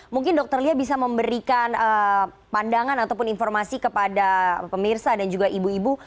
mungkin dokter lia bisa memberikan pandangan ataupun informasi kepada pemirsa dan juga ibu ibu